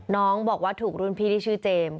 น้องบอกว่าถูกรุ่นพี่ที่ชื่อเจมส์